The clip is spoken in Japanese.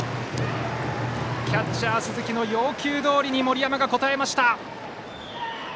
キャッチャー鈴木の要求どおりに森山が応えました。